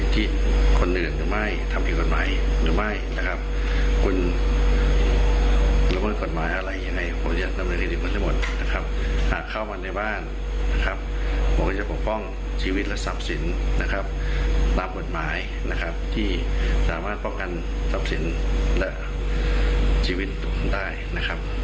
ตามผลหมายนะครับที่สามารถป้องกันทรัพย์สินและชีวิตทุกคนได้นะครับ